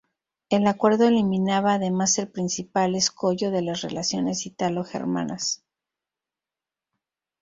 El acuerdo eliminaba además el principal escollo de las relaciones italo-germanas.